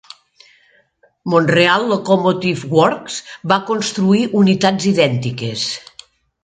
Montreal Locomotive Works va construir unitats idèntiques.